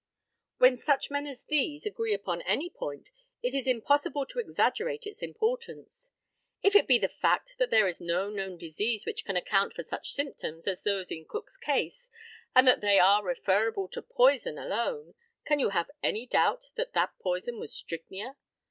When such men as these agree upon any point, it is impossible to exaggerate its importance. If it be the fact that there is no known disease which can account for such symptoms as those in Cook's case, and that they are referable to poison alone, can you have any doubt that that poison was strychnia?